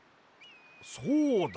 そうだ！